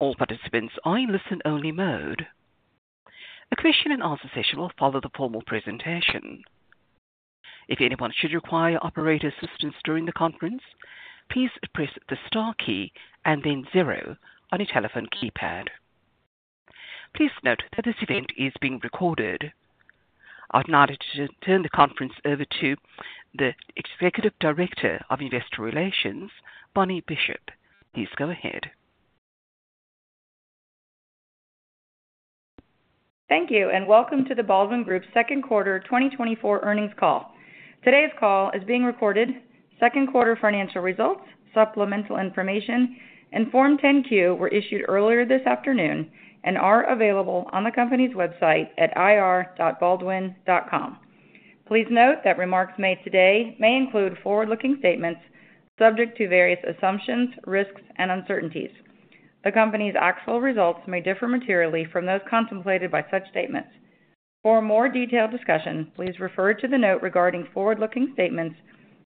All participants are in listen-only mode. A question-and-answer session will follow the formal presentation. If anyone should require operator assistance during the conference, please press the star key and then zero on your telephone keypad. Please note that this event is being recorded. I'd now like to turn the conference over to the Executive Director of Investor Relations, Bonnie Bishop. Please go ahead. Thank you, and welcome to The Baldwin Group's second quarter 2024 earnings call. Today's call is being recorded. Second quarter financial results, supplemental information, and Form 10-Q were issued earlier this afternoon and are available on the company's website at ir.baldwin.com. Please note that remarks made today may include forward-looking statements subject to various assumptions, risks, and uncertainties. The company's actual results may differ materially from those contemplated by such statements. For a more detailed discussion, please refer to the note regarding forward-looking statements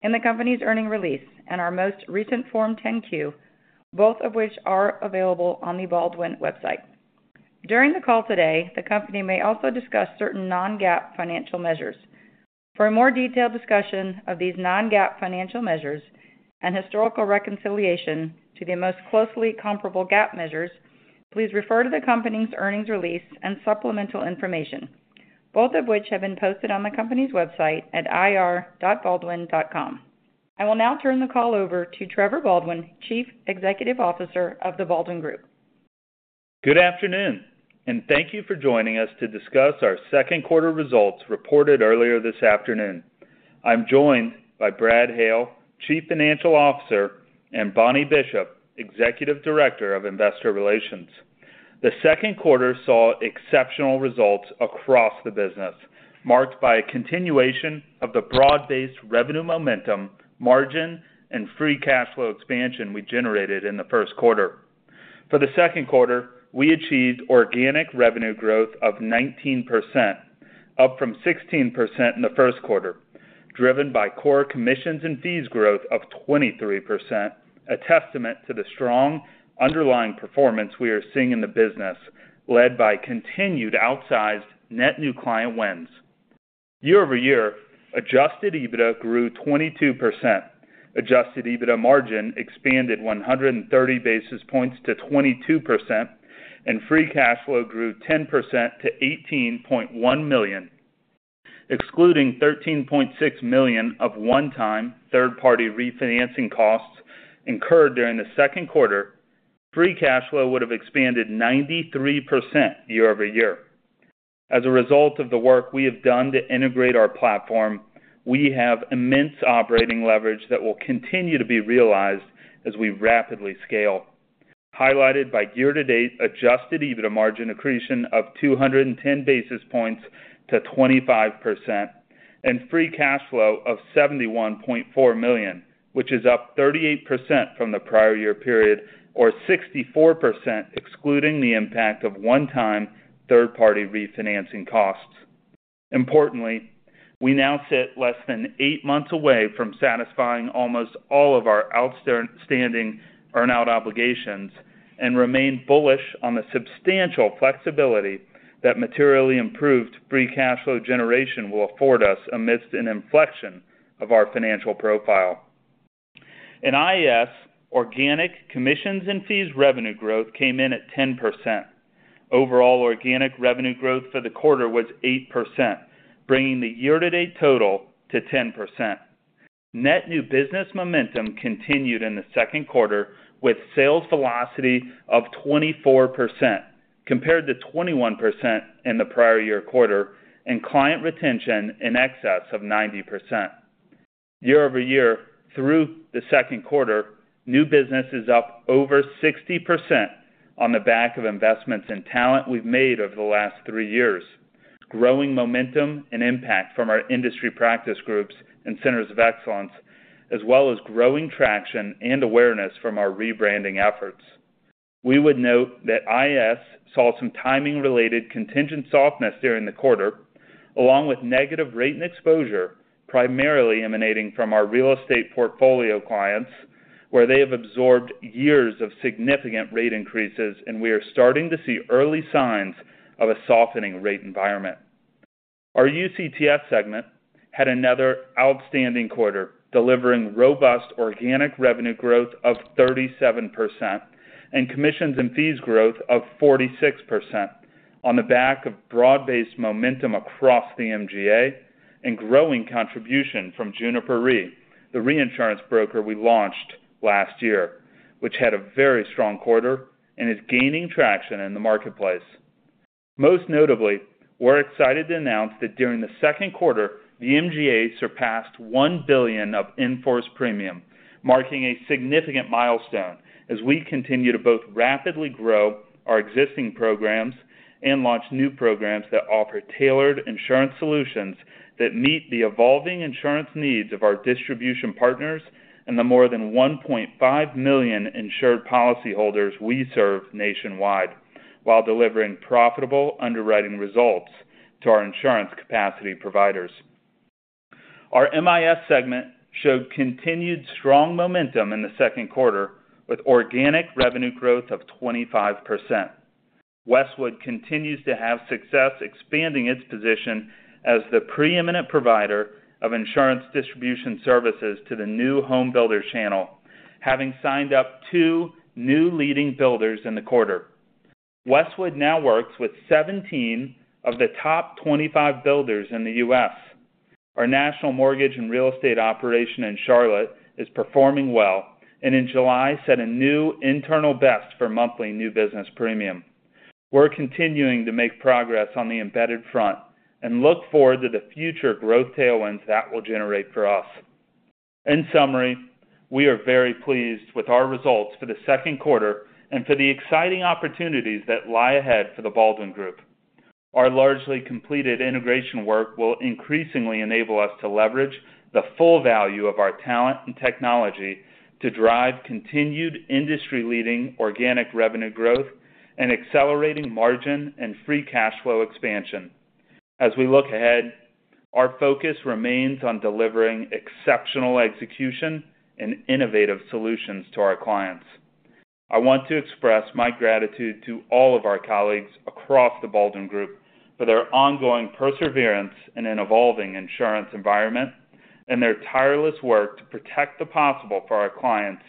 in the company's earnings release and our most recent Form 10-Q, both of which are available on the Baldwin website. During the call today, the company may also discuss certain non-GAAP financial measures. For a more detailed discussion of these non-GAAP financial measures and historical reconciliation to the most closely comparable GAAP measures, please refer to the company's earnings release and supplemental information, both of which have been posted on the company's website at ir.baldwin.com. I will now turn the call over to Trevor Baldwin, Chief Executive Officer of The Baldwin Group. Good afternoon, and thank you for joining us to discuss our second quarter results reported earlier this afternoon. I'm joined by Brad Hale, Chief Financial Officer, and Bonnie Bishop, Executive Director of Investor Relations. The second quarter saw exceptional results across the business, marked by a continuation of the broad-based revenue, momentum, margin, and free cash flow expansion we generated in the first quarter. For the second quarter, we achieved organic revenue growth of 19%, up from 16% in the first quarter, driven by core commissions and fees growth of 23%, a testament to the strong underlying performance we are seeing in the business, led by continued outsized net new client wins. Year-over-year, adjusted EBITDA grew 22%, adjusted EBITDA margin expanded 130 basis points to 22%, and free cash flow grew 10% to $18.1 million. Excluding $13.6 million of one-time third-party refinancing costs incurred during the second quarter, free cash flow would have expanded 93% year-over-year. As a result of the work we have done to integrate our platform, we have immense operating leverage that will continue to be realized as we rapidly scale, highlighted by year-to-date adjusted EBITDA margin accretion of 210 basis points to 25% and free cash flow of $71.4 million, which is up 38% from the prior year period, or 64%, excluding the impact of one-time third-party refinancing costs. Importantly, we now sit less than eight months away from satisfying almost all of our outstanding earn-out obligations and remain bullish on the substantial flexibility that materially improved free cash flow generation will afford us amidst an inflection of our financial profile. In IAS, organic commissions and fees revenue growth came in at 10%. Overall, organic revenue growth for the quarter was 8%, bringing the year-to-date total to 10%. Net new business momentum continued in the second quarter, with sales velocity of 24%, compared to 21% in the prior year quarter, and client retention in excess of 90%. Year-over-year, through the second quarter, new business is up over 60% on the back of investments in talent we've made over the last 3 years, growing momentum and impact from our industry practice groups and centers of excellence, as well as growing traction and awareness from our rebranding efforts. We would note that IAS saw some timing-related contingent softness during the quarter, along with negative rate and exposure, primarily emanating from our real estate portfolio clients, where they have absorbed years of significant rate increases, and we are starting to see early signs of a softening rate environment. Our UCTS segment had another outstanding quarter, delivering robust organic revenue growth of 37% and commissions and fees growth of 46% on the back of broad-based momentum across the MGA and growing contribution from Juniper Re, the reinsurance broker we launched last year, which had a very strong quarter and is gaining traction in the marketplace. Most notably, we're excited to announce that during the second quarter, the MGA surpassed $1 billion of in-force premium, marking a significant milestone as we continue to both rapidly grow our existing programs and launch new programs that offer tailored insurance solutions that meet the evolving insurance needs of our distribution partners and the more than 1.5 million insured policyholders we serve nationwide, while delivering profitable underwriting results to our insurance capacity providers. Our MIS segment showed continued strong momentum in the second quarter, with organic revenue growth of 25%. Westwood continues to have success expanding its position as the preeminent provider of insurance distribution services to the new home builder channel, having signed up two new leading builders in the quarter. Westwood now works with 17 of the top 25 builders in the U.S. Our national mortgage and real estate operation in Charlotte is performing well, and in July, set a new internal best for monthly new business premium. We're continuing to make progress on the embedded front and look forward to the future growth tailwinds that will generate for us. In summary, we are very pleased with our results for the second quarter and for the exciting opportunities that lie ahead for The Baldwin Group. Our largely completed integration work will increasingly enable us to leverage the full value of our talent and technology to drive continued industry-leading organic revenue growth and accelerating margin and free cash flow expansion. As we look ahead, our focus remains on delivering exceptional execution and innovative solutions to our clients. I want to express my gratitude to all of our colleagues across The Baldwin Group for their ongoing perseverance in an evolving insurance environment and their tireless work to protect the possible for our clients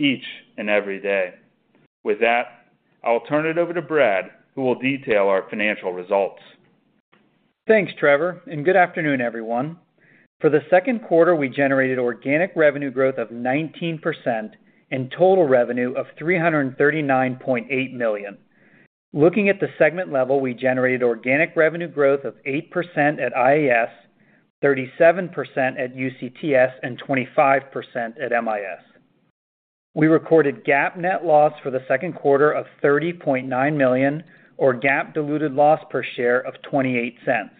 each and every day. With that, I'll turn it over to Brad, who will detail our financial results. Thanks, Trevor, and good afternoon, everyone. For the second quarter, we generated organic revenue growth of 19% and total revenue of $339.8 million. Looking at the segment level, we generated organic revenue growth of 8% at IAS, 37% at UCTS, and 25% at MIS. We recorded GAAP net loss for the second quarter of $30.9 million, or GAAP diluted loss per share of $0.28.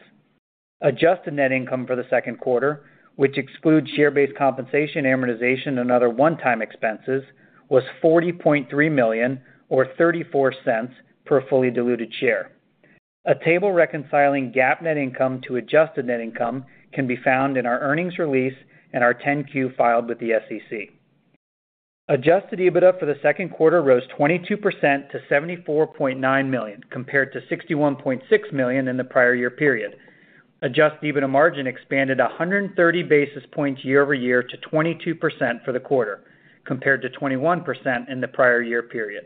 Adjusted net income for the second quarter, which excludes share-based compensation, amortization, and other one-time expenses, was $40.3 million or $0.34 per fully diluted share. A table reconciling GAAP net income to adjusted net income can be found in our earnings release and our 10-Q filed with the SEC. Adjusted EBITDA for the second quarter rose 22% to $74.9 million, compared to $61.6 million in the prior year period. Adjusted EBITDA margin expanded 130 basis points year-over-year to 22% for the quarter, compared to 21% in the prior year period.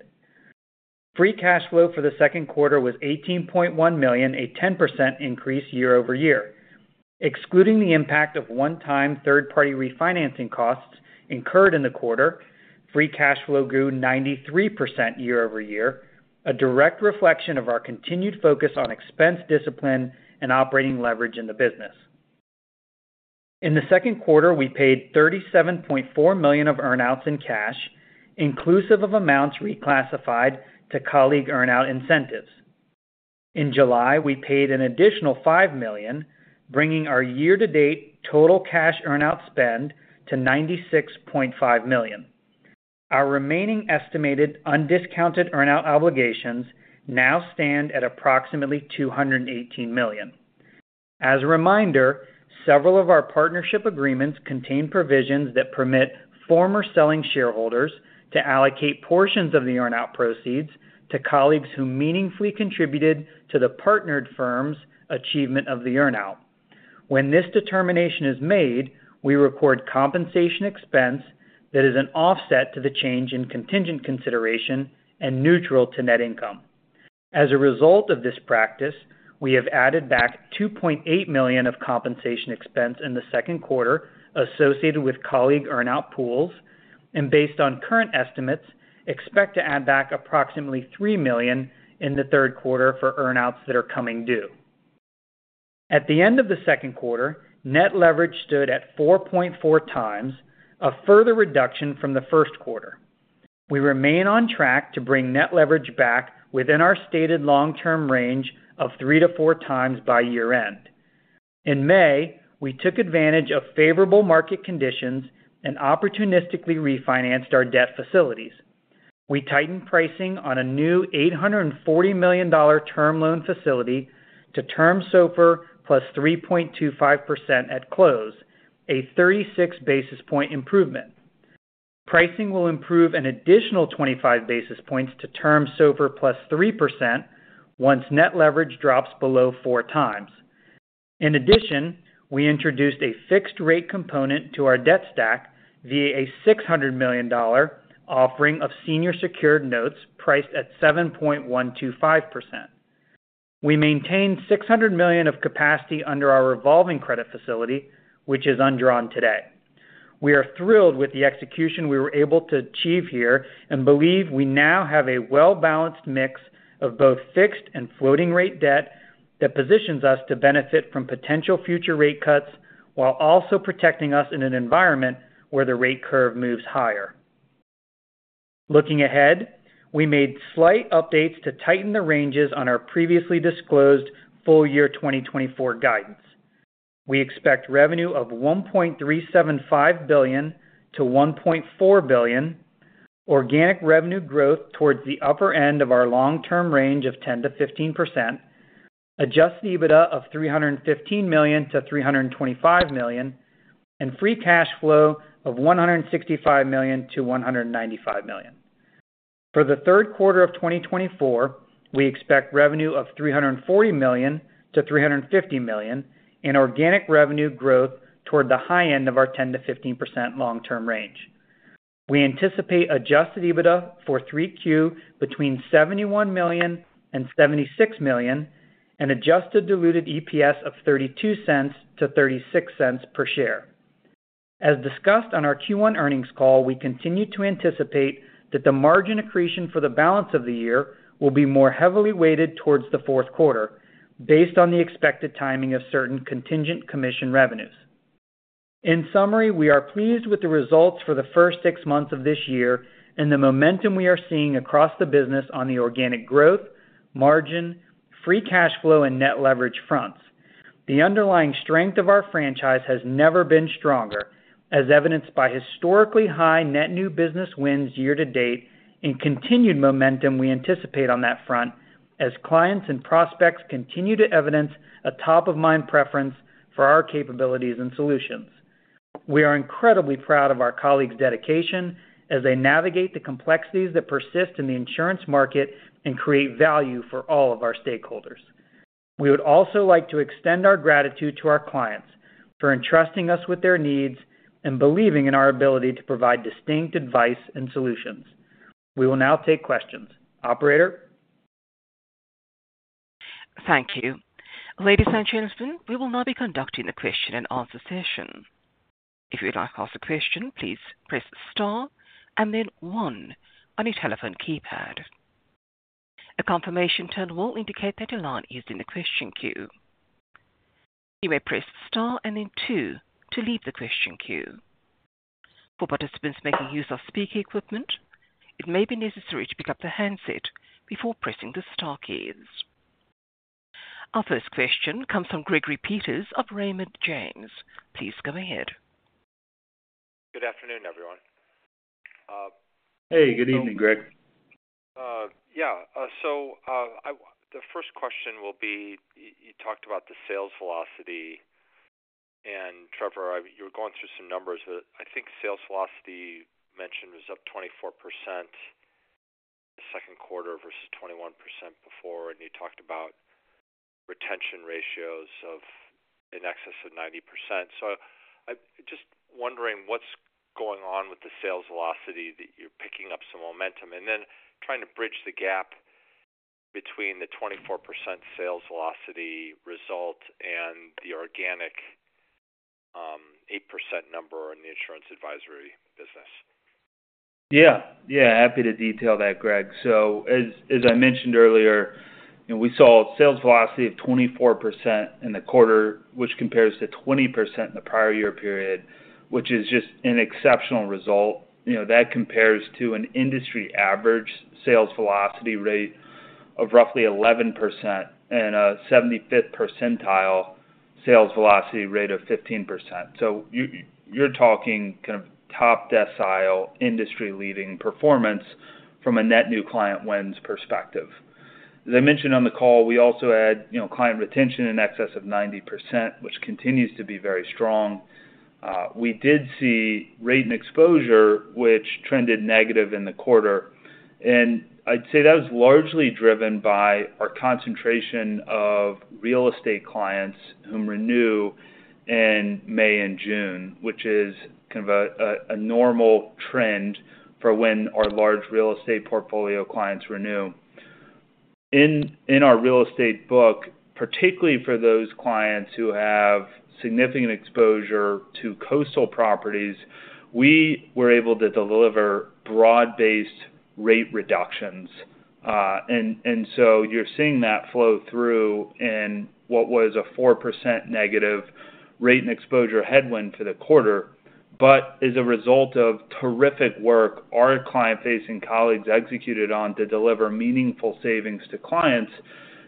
Free cash flow for the second quarter was $18.1 million, a 10% increase year-over-year. Excluding the impact of one-time third-party refinancing costs incurred in the quarter, free cash flow grew 93% year-over-year, a direct reflection of our continued focus on expense, discipline, and operating leverage in the business. In the second quarter, we paid $37.4 million of earn-outs in cash, inclusive of amounts reclassified to colleague earn-out incentives. In July, we paid an additional $5 million, bringing our year-to-date total cash earn-out spend to $96.5 million. Our remaining estimated undiscounted earn-out obligations now stand at approximately $218 million. As a reminder, several of our partnership agreements contain provisions that permit former selling shareholders to allocate portions of the earn-out proceeds to colleagues who meaningfully contributed to the partnered firm's achievement of the earn-out. When this determination is made, we record compensation expense that is an offset to the change in contingent consideration and neutral to net income. As a result of this practice, we have added back $2.8 million of compensation expense in the second quarter associated with colleague earn-out pools, and based on current estimates, expect to add back approximately $3 million in the third quarter for earn-outs that are coming due. At the end of the second quarter, net leverage stood at 4.4 times, a further reduction from the first quarter. We remain on track to bring net leverage back within our stated long-term range of 3x-4x by year-end. In May, we took advantage of favorable market conditions and opportunistically refinanced our debt facilities. We tightened pricing on a new $840 million term loan facility to Term SOFR + 3.25% at close, a 36 basis point improvement. Pricing will improve an additional 25 basis points to Term SOFR + 3%, once net leverage drops below 4x. In addition, we introduced a fixed rate component to our debt stack via a $600 million offering of senior secured notes priced at 7.125%. We maintained $600 million of capacity under our revolving credit facility, which is undrawn today. We are thrilled with the execution we were able to achieve here and believe we now have a well-balanced mix of both fixed and floating rate debt that positions us to benefit from potential future rate cuts while also protecting us in an environment where the rate curve moves higher. Looking ahead, we made slight updates to tighten the ranges on our previously disclosed full year 2024 guidance. We expect revenue of $1.375 billion-$1.4 billion. ...organic revenue growth toward the upper end of our long-term range of 10%-15%, Adjusted EBITDA of $315 million-$325 million, and free cash flow of $165 million-$195 million. For the third quarter of 2024, we expect revenue of $340 million-$350 million and organic revenue growth toward the high end of our 10%-15% long-term range. We anticipate Adjusted EBITDA for 3Q between $71 million and $76 million, and adjusted diluted EPS of $0.32-$0.36 per share. As discussed on our Q1 earnings call, we continue to anticipate that the margin accretion for the balance of the year will be more heavily weighted toward the fourth quarter, based on the expected timing of certain contingent commission revenues. In summary, we are pleased with the results for the first six months of this year and the momentum we are seeing across the business on the organic growth, margin, free cash flow, and net leverage fronts. The underlying strength of our franchise has never been stronger, as evidenced by historically high net new business wins year to date and continued momentum we anticipate on that front, as clients and prospects continue to evidence a top-of-mind preference for our capabilities and solutions. We are incredibly proud of our colleagues' dedication as they navigate the complexities that persist in the insurance market and create value for all of our stakeholders. We would also like to extend our gratitude to our clients for entrusting us with their needs and believing in our ability to provide distinct advice and solutions. We will now take questions. Operator? Thank you. Ladies and gentlemen, we will now be conducting the question-and-answer session. If you would like to ask a question, please press star and then one on your telephone keypad. A confirmation tone will indicate that your line is in the question queue. You may press star and then two to leave the question queue. For participants making use of speaker equipment, it may be necessary to pick up the handset before pressing the star keys. Our first question comes from Gregory Peters of Raymond James. Please go ahead. Good afternoon, everyone. Hey, good evening, Greg. Yeah. So, the first question will be, you talked about the sales velocity, and Trevor, you were going through some numbers. I think sales velocity mentioned was up 24% the second quarter versus 21% before, and you talked about retention ratios of in excess of 90%. So I'm just wondering what's going on with the sales velocity, that you're picking up some momentum, and then trying to bridge the gap between the 24% sales velocity result and the organic 8% number in the insurance advisory business. Yeah. Yeah. Happy to detail that, Greg. So as I mentioned earlier, you know, we saw a sales velocity of 24% in the quarter, which compares to 20% in the prior year period, which is just an exceptional result. You know, that compares to an industry average sales velocity rate of roughly 11% and a 75th percentile sales velocity rate of 15%. So you're talking kind of top decile, industry-leading performance from a net new client wins perspective. As I mentioned on the call, we also had, you know, client retention in excess of 90%, which continues to be very strong. We did see rate and exposure, which trended negative in the quarter, and I'd say that was largely driven by our concentration of real estate clients whom renew in May and June, which is kind of a normal trend for when our large real estate portfolio clients renew. In our real estate book, particularly for those clients who have significant exposure to coastal properties, we were able to deliver broad-based rate reductions. And so you're seeing that flow through in what was a 4% negative rate and exposure headwind to the quarter. But as a result of terrific work, our client-facing colleagues executed on to deliver meaningful savings to clients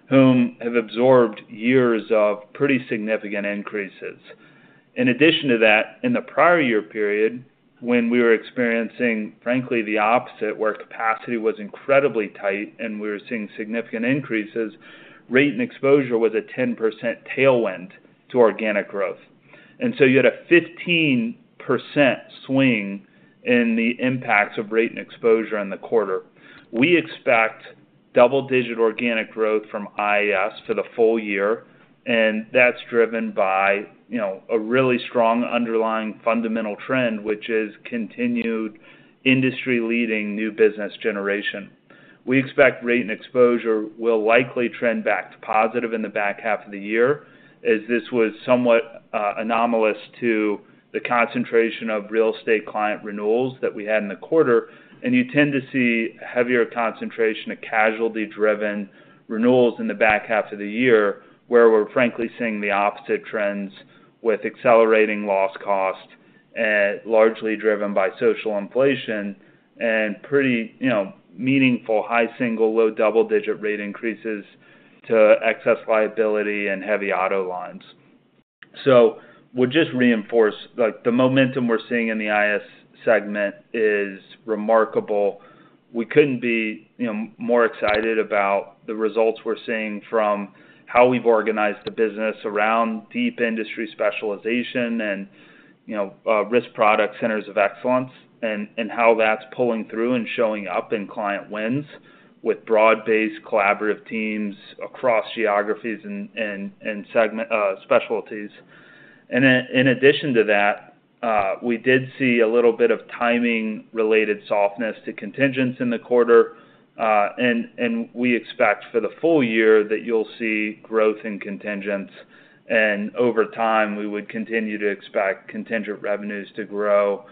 whom have absorbed years of pretty significant increases. In addition to that, in the prior year period, when we were experiencing, frankly, the opposite, where capacity was incredibly tight and we were seeing significant increases, rate and exposure was a 10% tailwind to organic growth. And so you had a 15% swing in the impacts of rate and exposure in the quarter. We expect double-digit organic growth from IAS for the full year, and that's driven by, you know, a really strong underlying fundamental trend, which is continued industry-leading new business generation. We expect rate and exposure will likely trend back to positive in the back half of the year, as this was somewhat anomalous to the concentration of real estate client renewals that we had in the quarter. You tend to see heavier concentration of casualty-driven renewals in the back half of the year, where we're frankly seeing the opposite trends with accelerating loss cost, largely driven by social inflation and pretty, you know, meaningful, high single-digit, low double-digit rate increases to excess liability and heavy auto lines. We'll just reinforce, like, the momentum we're seeing in the IAS segment is remarkable. We couldn't be, you know, more excited about the results we're seeing from how we've organized the business around deep industry specialization and, you know, risk product centers of excellence, and how that's pulling through and showing up in client wins with broad-based collaborative teams across geographies and segment specialties. And then in addition to that, we did see a little bit of timing-related softness to contingents in the quarter, and we expect for the full year that you'll see growth in contingents, and over time, we would continue to expect contingent revenues to grow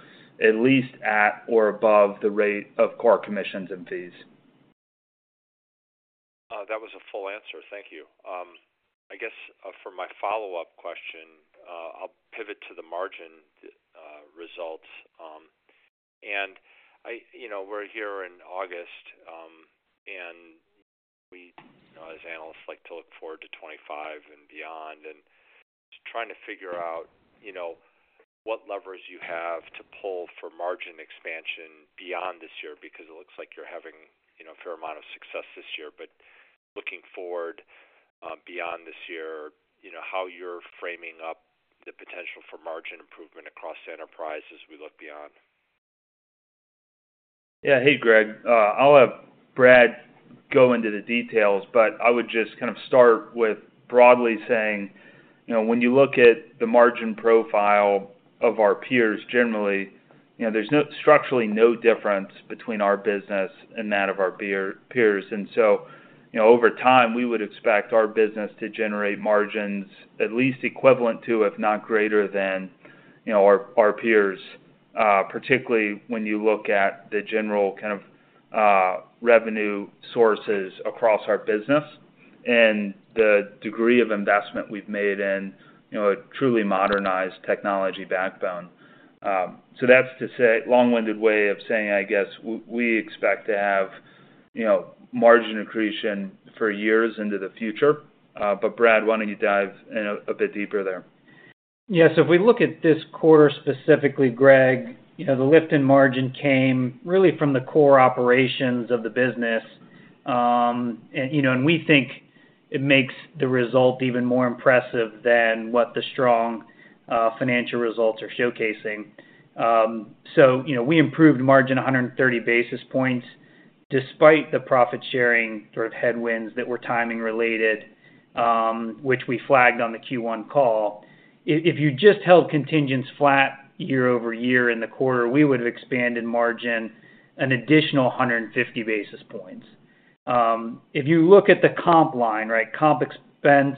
at least at or above the rate of core commissions and fees. That was a full answer. Thank you. I guess, for my follow-up question, I'll pivot to the margin results. You know, we're here in August, and we, as analysts, like to look forward to 2025 and beyond, and just trying to figure out, you know, what levers you have to pull for margin expansion beyond this year, because it looks like you're having, you know, a fair amount of success this year, but looking forward, beyond this year, you know, how you're framing up the potential for margin improvement across the enterprise as we look beyond? Yeah. Hey, Greg, I'll have Brad go into the details, but I would just kind of start with broadly saying, you know, when you look at the margin profile of our peers, generally, you know, there's no structurally no difference between our business and that of our peer, peers. And so, you know, over time, we would expect our business to generate margins at least equivalent to, if not greater than, you know, our, our peers, particularly when you look at the general kind of revenue sources across our business and the degree of investment we've made in, you know, a truly modernized technology backbone. So that's to say, long-winded way of saying, I guess, we expect to have, you know, margin accretion for years into the future. But Brad, why don't you dive in a bit deeper there? Yes, if we look at this quarter, specifically, Greg, you know, the lift in margin came really from the core operations of the business. And, you know, we think it makes the result even more impressive than what the strong financial results are showcasing. So, you know, we improved margin 130 basis points despite the profit-sharing sort of headwinds that were timing related, which we flagged on the Q1 call. If you just held contingents flat year-over-year in the quarter, we would have expanded margin an additional 150 basis points. If you look at the comp line, right, comp expense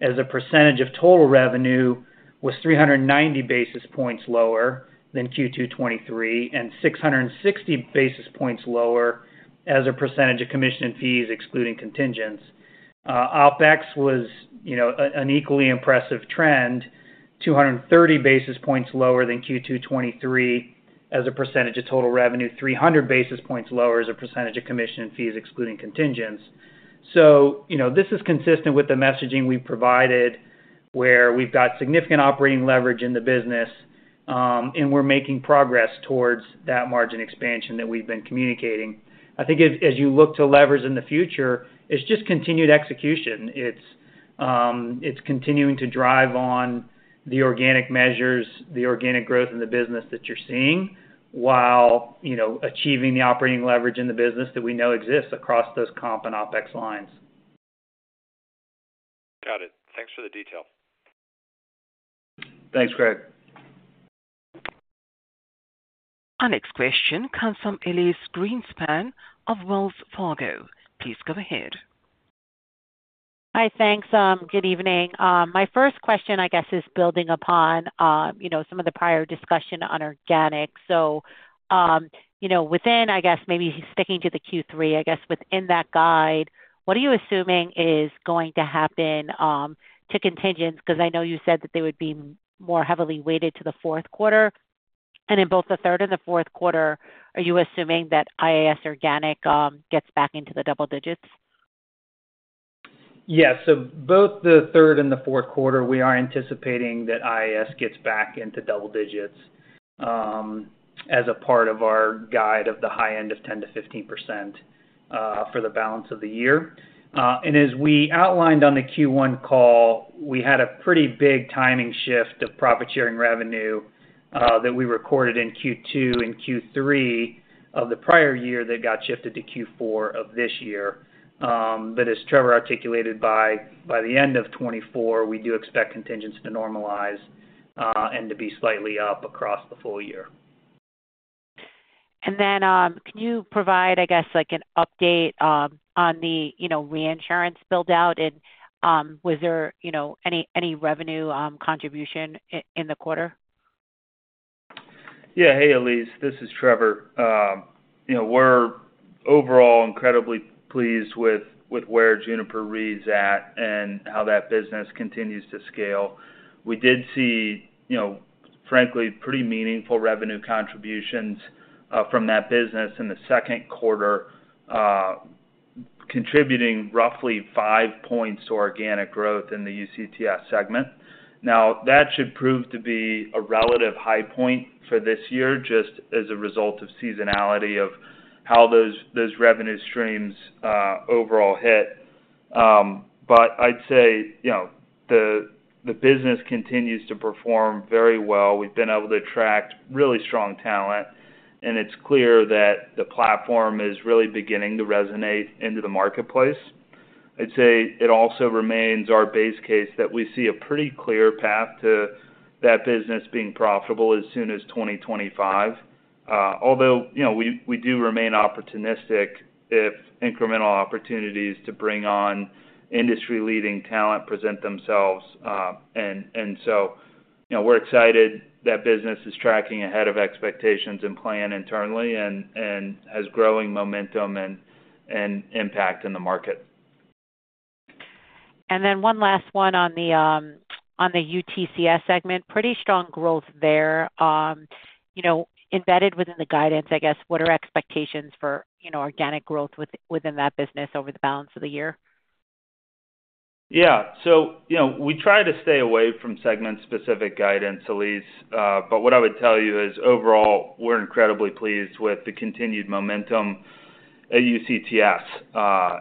as a percentage of total revenue was 390 basis points lower than Q2 2023, and 660 basis points lower as a percentage of commission and fees, excluding contingents. OpEx was, you know, an equally impressive trend, 230 basis points lower than Q2 2023 as a percentage of total revenue, 300 basis points lower as a percentage of commission and fees, excluding contingents. So, you know, this is consistent with the messaging we provided, where we've got significant operating leverage in the business, and we're making progress towards that margin expansion that we've been communicating. I think as you look to levers in the future, it's just continued execution. It's continuing to drive on the organic measures, the organic growth in the business that you're seeing, while, you know, achieving the operating leverage in the business that we know exists across those comp and OpEx lines. Got it. Thanks for the detail. Thanks, Greg. Our next question comes from Elyse Greenspan of Wells Fargo. Please go ahead. Hi, thanks. Good evening. My first question, I guess, is building upon, you know, some of the prior discussion on organic. So, you know, within, I guess, maybe sticking to the Q3, I guess within that guide, what are you assuming is going to happen to contingents? Because I know you said that they would be more heavily weighted to the fourth quarter. And in both the third and the fourth quarter, are you assuming that IAS organic gets back into the double digits? Yeah. So both the third and the fourth quarter, we are anticipating that IAS gets back into double digits, as a part of our guide of the high end of 10%-15%, for the balance of the year. And as we outlined on the Q1 call, we had a pretty big timing shift of profit-sharing revenue, that we recorded in Q2 and Q3 of the prior year that got shifted to Q4 of this year. But as Trevor articulated, by the end of 2024, we do expect contingents to normalize, and to be slightly up across the full year. Then, can you provide, I guess, like, an update on the, you know, reinsurance build-out? Was there, you know, any revenue contribution in the quarter? Yeah. Hey, Elyse, this is Trevor. You know, we're overall incredibly pleased with, with where Juniper Re is at and how that business continues to scale. We did see, you know, frankly, pretty meaningful revenue contributions from that business in the second quarter, contributing roughly five points to organic growth in the UCTS segment. Now, that should prove to be a relative high point for this year, just as a result of seasonality of how those, those revenue streams overall hit. But I'd say, you know, the, the business continues to perform very well. We've been able to attract really strong talent, and it's clear that the platform is really beginning to resonate into the marketplace. I'd say it also remains our base case that we see a pretty clear path to that business being profitable as soon as 2025. Although, you know, we do remain opportunistic if incremental opportunities to bring on industry-leading talent present themselves. And so, you know, we're excited that business is tracking ahead of expectations and plan internally and has growing momentum and impact in the market. And then one last one on the UCTS segment. Pretty strong growth there. You know, embedded within the guidance, I guess, what are expectations for, you know, organic growth within that business over the balance of the year? Yeah. So, you know, we try to stay away from segment-specific guidance, Elyse. But what I would tell you is, overall, we're incredibly pleased with the continued momentum at UCTS.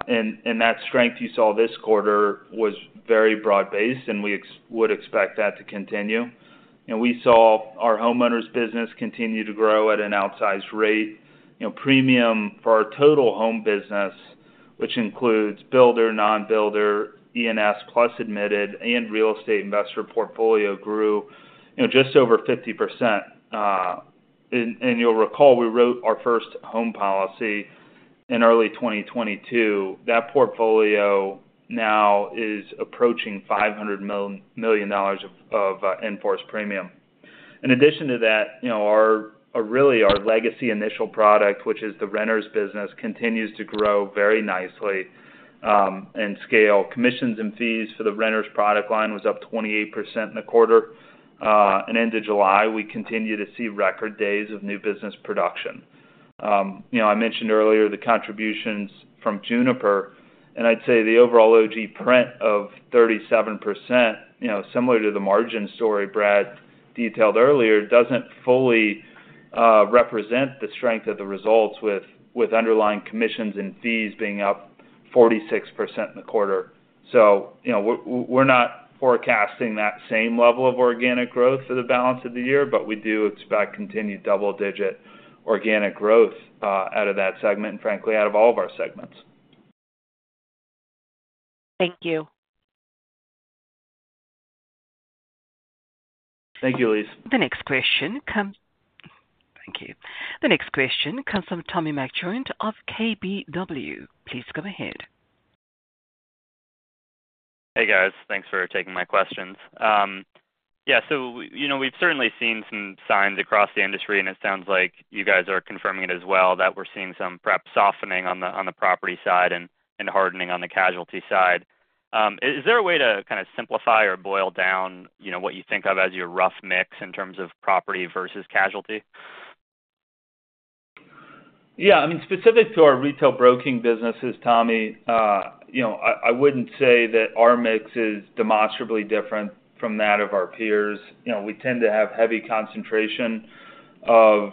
And that strength you saw this quarter was very broad-based, and we would expect that to continue. And we saw our homeowners business continue to grow at an outsized rate. You know, premium for our total home business, which includes builder, non-builder, E&S, plus admitted and real estate investor portfolio grew, you know, just over 50%. And you'll recall, we wrote our first home policy in early 2022. That portfolio now is approaching $500 million of in-force premium. In addition to that, you know, our really, our legacy initial product, which is the renters business, continues to grow very nicely, and scale. Commissions and fees for the renters product line was up 28% in the quarter. And end of July, we continue to see record days of new business production. You know, I mentioned earlier the contributions from Juniper, and I'd say the overall OG print of 37%, you know, similar to the margin story Brad detailed earlier, doesn't fully represent the strength of the results with underlying commissions and fees being up 46% in the quarter. So, you know, we're not forecasting that same level of organic growth for the balance of the year, but we do expect continued double-digit organic growth out of that segment, and frankly, out of all of our segments. Thank you. Thank you, Elyse. The next question comes from Tommy McJoynt of KBW. Please go ahead. Hey, guys. Thanks for taking my questions. Yeah, so, you know, we've certainly seen some signs across the industry, and it sounds like you guys are confirming it as well, that we're seeing some perhaps softening on the property side and hardening on the casualty side. Is there a way to kind of simplify or boil down, you know, what you think of as your rough mix in terms of property versus casualty? Yeah, I mean, specific to our retail broking businesses, Tommy, you know, I wouldn't say that our mix is demonstrably different from that of our peers. You know, we tend to have heavy concentration of,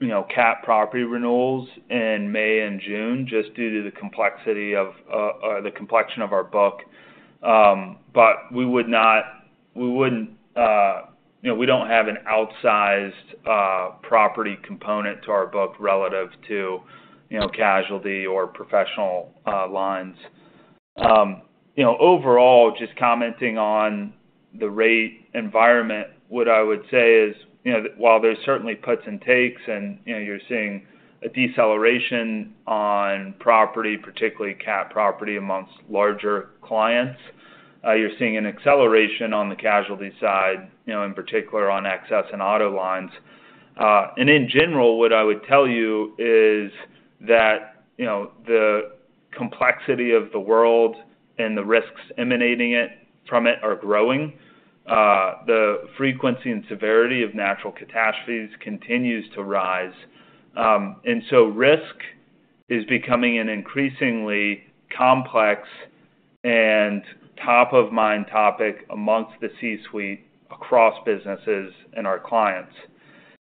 you know, cat property renewals in May and June, just due to the complexity of the complexion of our book. But we wouldn't, you know, we don't have an outsized property component to our book relative to, you know, casualty or professional lines. You know, overall, just commenting on the rate environment, what I would say is, you know, while there's certainly puts and takes, and, you know, you're seeing a deceleration on property, particularly cat property, among larger clients, you're seeing an acceleration on the casualty side, you know, in particular on excess and auto lines. In general, what I would tell you is that, you know, the complexity of the world and the risks emanating from it are growing. The frequency and severity of natural catastrophes continues to rise. So risk is becoming an increasingly complex and top-of-mind topic among the C-suite across businesses and our clients.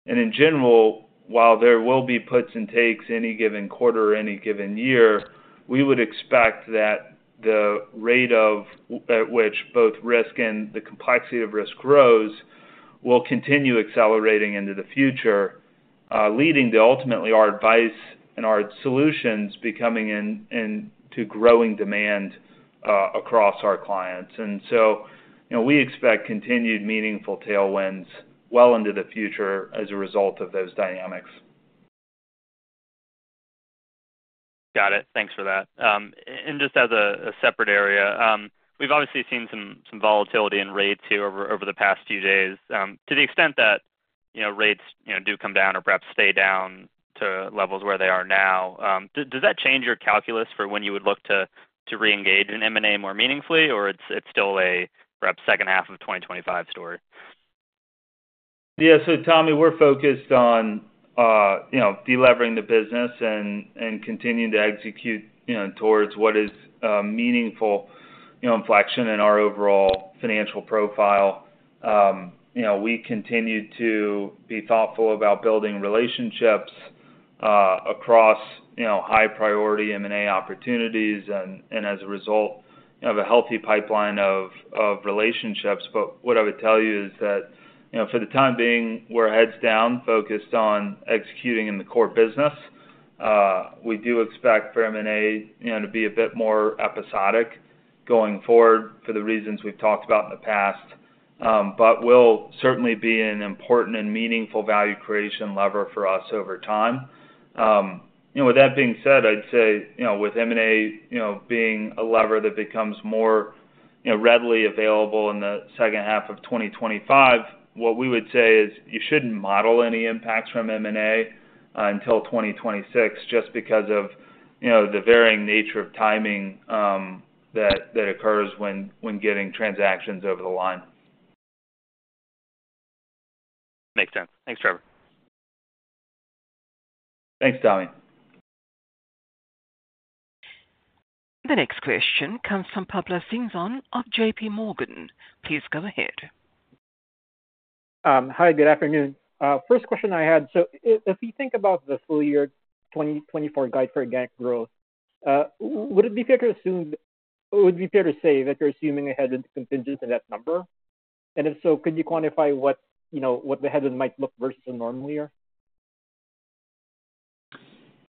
In general, while there will be puts and takes in any given quarter or any given year, we would expect that the rate at which both risk and the complexity of risk grows will continue accelerating into the future, leading to ultimately our advice and our solutions becoming in growing demand across our clients. So, you know, we expect continued meaningful tailwinds well into the future as a result of those dynamics. Got it. Thanks for that. And just as a separate area, we've obviously seen some volatility in rates here over the past few days. To the extent that, you know, rates, you know, do come down or perhaps stay down to levels where they are now, does that change your calculus for when you would look to reengage in M&A more meaningfully, or it's still a perhaps second half of 2025 story?... Yeah, so Tommy, we're focused on, you know, delevering the business and continuing to execute, you know, towards what is, meaningful, you know, inflection in our overall financial profile. You know, we continue to be thoughtful about building relationships, across, you know, high priority M&A opportunities and as a result, have a healthy pipeline of relationships. But what I would tell you is that, you know, for the time being, we're heads down, focused on executing in the core business. We do expect for M&A, you know, to be a bit more episodic going forward, for the reasons we've talked about in the past, but will certainly be an important and meaningful value creation lever for us over time. You know, with that being said, I'd say, you know, with M&A, you know, being a lever that becomes more, you know, readily available in the second half of 2025, what we would say is you shouldn't model any impacts from M&A until 2026, just because of, you know, the varying nature of timing, that occurs when getting transactions over the line. Makes sense. Thanks, Trevor. Thanks, Tommy. The next question comes from Pablo Singzon of JPMorgan. Please go ahead. Hi, good afternoon. First question I had, so if you think about the full year 2024 guide for organic growth, would it be fair to assume... Would it be fair to say that you're assuming a headwind contingent to that number? And if so, could you quantify what, you know, what the headwind might look versus a normal year?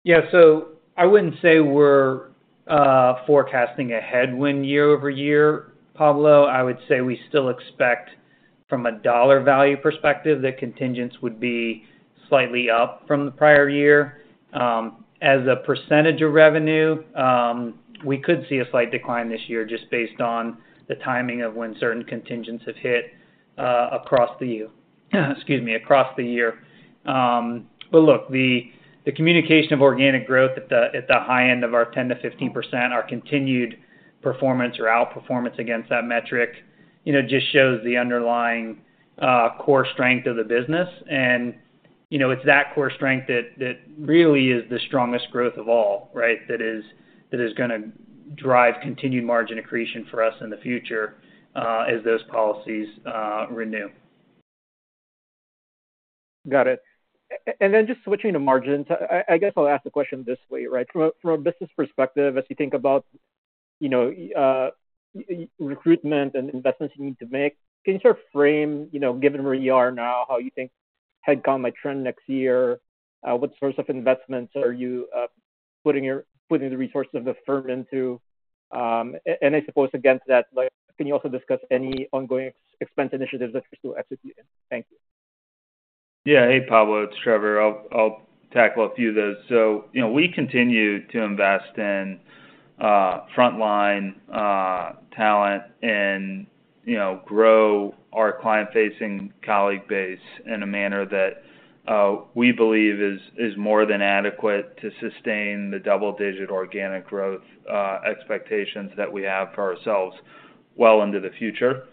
Yeah, so I wouldn't say we're forecasting a headwind year-over-year, Pablo. I would say we still expect, from a dollar value perspective, that contingents would be slightly up from the prior year. As a percentage of revenue, we could see a slight decline this year just based on the timing of when certain contingents have hit across the year. But look, the communication of organic growth at the high end of our 10%-15%, our continued performance or outperformance against that metric, you know, just shows the underlying core strength of the business. And, you know, it's that core strength that really is the strongest growth of all, right? That is gonna drive continued margin accretion for us in the future, as those policies renew. Got it. And then just switching to margins, I guess I'll ask the question this way, right? From a business perspective, as you think about, you know, your recruitment and investments you need to make, can you sort of frame, you know, given where you are now, how you think headcount might trend next year? What sorts of investments are you putting the resources of the firm into? And I suppose against that, like, can you also discuss any ongoing expense initiatives that you're still executing? Thank you. Yeah. Hey, Pablo, it's Trevor. I'll tackle a few of those. So, you know, we continue to invest in frontline talent and, you know, grow our client-facing colleague base in a manner that we believe is more than adequate to sustain the double-digit organic growth expectations that we have for ourselves well into the future.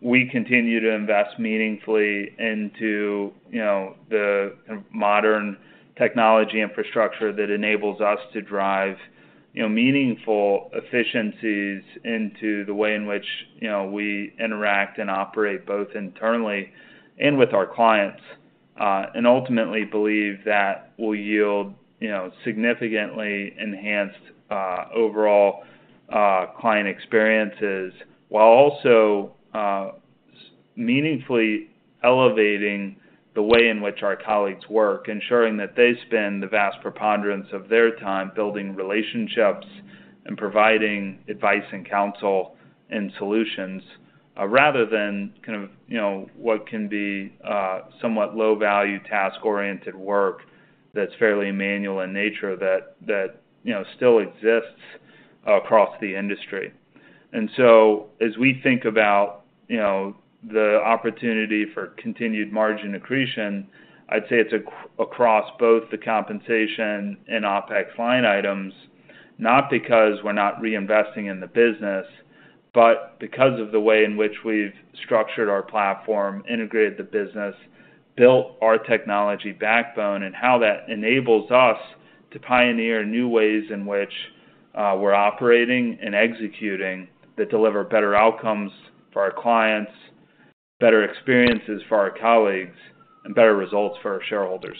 We continue to invest meaningfully into, you know, the modern technology infrastructure that enables us to drive, you know, meaningful efficiencies into the way in which, you know, we interact and operate, both internally and with our clients. Ultimately believe that will yield, you know, significantly enhanced overall client experiences, while also meaningfully elevating the way in which our colleagues work, ensuring that they spend the vast preponderance of their time building relationships and providing advice and counsel and solutions, rather than kind of, you know, what can be somewhat low-value, task-oriented work that's fairly manual in nature that you know still exists across the industry. So as we think about, you know, the opportunity for continued margin accretion, I'd say it's across both the compensation and OpEx line items, not because we're not reinvesting in the business, but because of the way in which we've structured our platform, integrated the business, built our technology backbone, and how that enables us to pioneer new ways in which we're operating and executing, that deliver better outcomes for our clients, better experiences for our colleagues, and better results for our shareholders.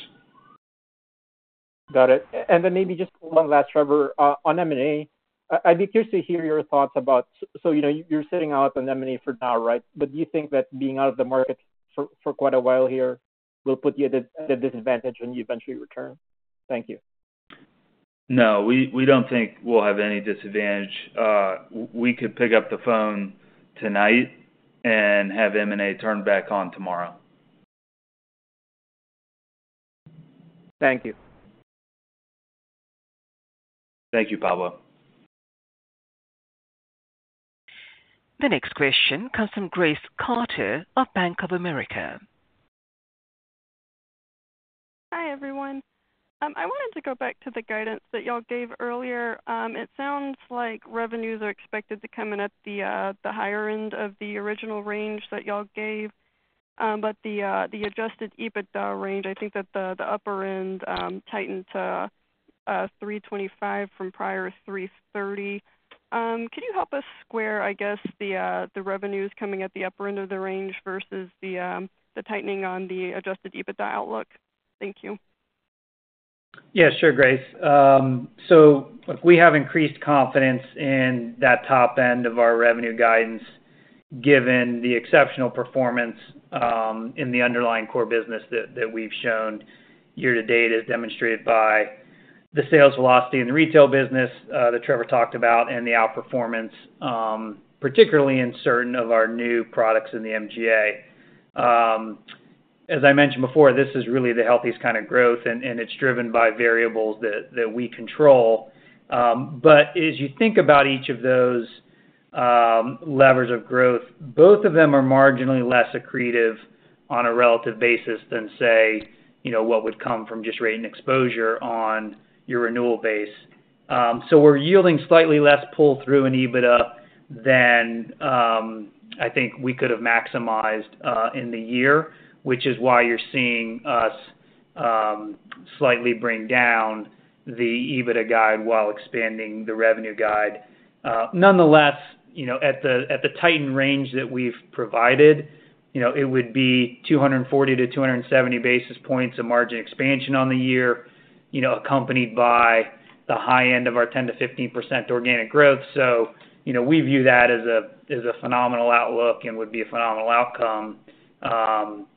Got it. And then maybe just one last, Trevor, on M&A. I'd be curious to hear your thoughts about... So, you know, you're sitting out on M&A for now, right? But do you think that being out of the market for quite a while here will put you at a disadvantage when you eventually return? Thank you. No, we don't think we'll have any disadvantage. We could pick up the phone tonight and have M&A turned back on tomorrow. Thank you. Thank you, Pablo. The next question comes from Grace Carter of Bank of America.... Hi, everyone. I wanted to go back to the guidance that y'all gave earlier. It sounds like revenues are expected to come in at the higher end of the original range that y'all gave. But the Adjusted EBITDA range, I think that the upper end tightened to $325 from prior $330. Can you help us square, I guess, the revenues coming at the upper end of the range versus the tightening on the Adjusted EBITDA outlook? Thank you. Yeah, sure, Grace. So look, we have increased confidence in that top end of our revenue guidance, given the exceptional performance in the underlying core business that we've shown year to date, as demonstrated by the sales velocity in the retail business that Trevor talked about, and the outperformance, particularly in certain of our new products in the MGA. As I mentioned before, this is really the healthiest kind of growth, and it's driven by variables that we control. But as you think about each of those levers of growth, both of them are marginally less accretive on a relative basis than, say, you know, what would come from just rate and exposure on your renewal base. So we're yielding slightly less pull-through and EBITDA than I think we could have maximized in the year, which is why you're seeing us slightly bring down the EBITDA guide while expanding the revenue guide. Nonetheless, you know, at the tightened range that we've provided, you know, it would be 240-270 basis points of margin expansion on the year, you know, accompanied by the high end of our 10%-15% organic growth. So, you know, we view that as a phenomenal outlook and would be a phenomenal outcome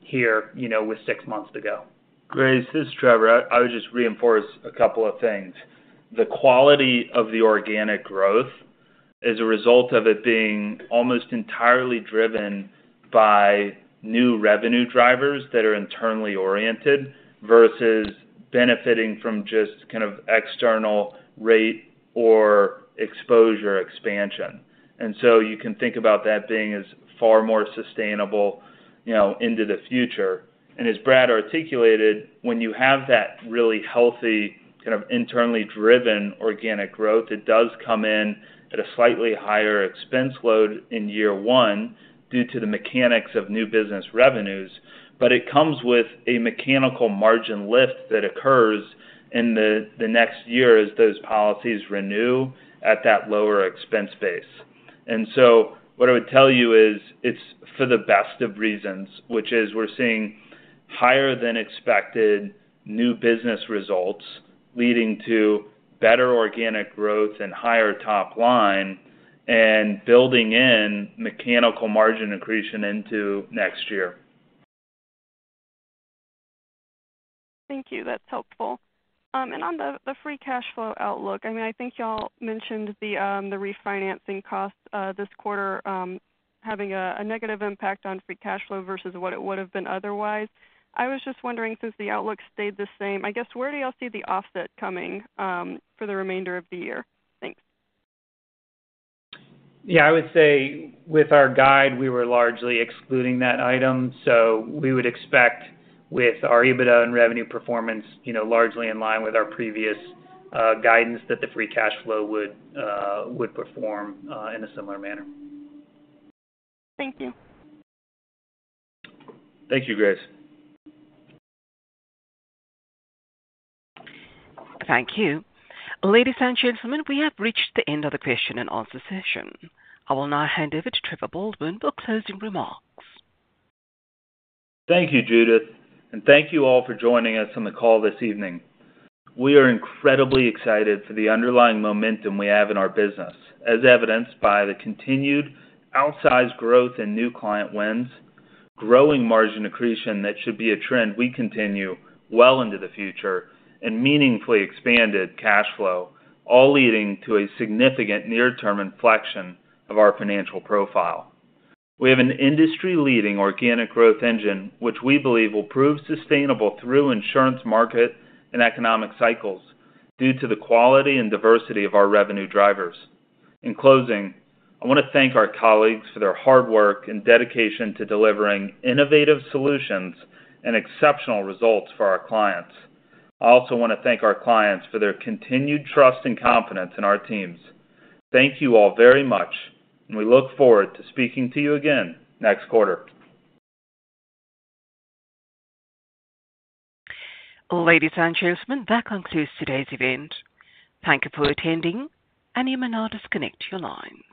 here, you know, with six months to go. Grace, this is Trevor. I would just reinforce a couple of things. The quality of the organic growth is a result of it being almost entirely driven by new revenue drivers that are internally oriented, versus benefiting from just kind of external rate or exposure expansion. And so you can think about that being as far more sustainable, you know, into the future. And as Brad articulated, when you have that really healthy, kind of internally driven organic growth, it does come in at a slightly higher expense load in year one due to the mechanics of new business revenues. But it comes with a mechanical margin lift that occurs in the next year as those policies renew at that lower expense base. So what I would tell you is, it's for the best of reasons, which is we're seeing higher than expected new business results, leading to better organic growth and higher top line, and building in mechanical margin accretion into next year. Thank you. That's helpful. And on the free cash flow outlook, I mean, I think y'all mentioned the refinancing costs this quarter having a negative impact on free cash flow versus what it would have been otherwise. I was just wondering, since the outlook stayed the same, I guess, where do y'all see the offset coming for the remainder of the year? Thanks. Yeah, I would say with our guidance, we were largely excluding that item, so we would expect with our EBITDA and revenue performance, you know, largely in line with our previous guidance, that the free cash flow would perform in a similar manner. Thank you. Thank you, Grace. Thank you. Ladies and gentlemen, we have reached the end of the question and answer session. I will now hand over to Trevor Baldwin for closing remarks. Thank you, Judith, and thank you all for joining us on the call this evening. We are incredibly excited for the underlying momentum we have in our business, as evidenced by the continued outsized growth in new client wins, growing margin accretion that should be a trend we continue well into the future, and meaningfully expanded cash flow, all leading to a significant near-term inflection of our financial profile. We have an industry-leading organic growth engine, which we believe will prove sustainable through insurance market and economic cycles due to the quality and diversity of our revenue drivers. In closing, I want to thank our colleagues for their hard work and dedication to delivering innovative solutions and exceptional results for our clients. I also want to thank our clients for their continued trust and confidence in our teams. Thank you all very much, and we look forward to speaking to you again next quarter. Ladies and gentlemen, that concludes today's event. Thank you for attending, and you may now disconnect your lines.